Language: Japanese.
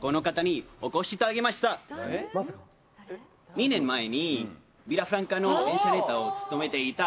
２年前に『ビラフランカ』のエンチャネタを務めていた。